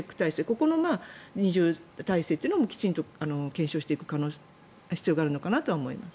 ここの二重体制というのもきちんと検証していく必要もあるのかなと思います。